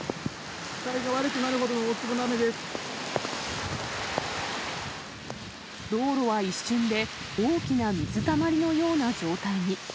視界が悪くなるほどの大粒の道路は一瞬で大きな水たまりのような状態に。